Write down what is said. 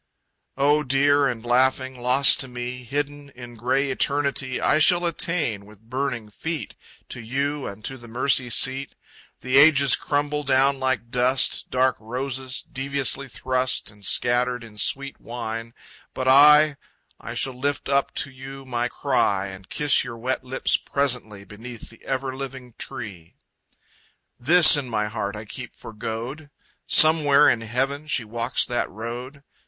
Oh dear and laughing, lost to me, Hidden in grey Eternity, I shall attain, with burning feet, To you and to the mercy seat! The ages crumble down like dust, Dark roses, deviously thrust And scattered in sweet wine but I, I shall lift up to you my cry, And kiss your wet lips presently Beneath the ever living Tree. This in my heart I keep for goad! Somewhere, in Heaven she walks that road.